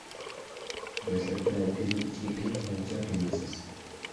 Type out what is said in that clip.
دەسلەپتە كۆزنىڭ ئىچىگە ئىلىپ سالغۇچە قىينىلىسىز.